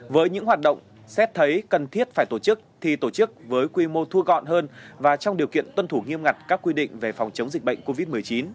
với những hoạt động xét thấy cần thiết phải tổ chức thi tổ chức với quy mô thu gọn hơn và trong điều kiện tuân thủ nghiêm ngặt các quy định về phòng chống dịch bệnh covid một mươi chín